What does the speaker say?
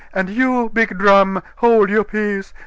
And you, big drum, hold your peace!